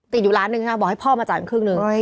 ติดอยู่ร้านนึงอ่ะบอกให้พ่อมาจัดครึ่งนึง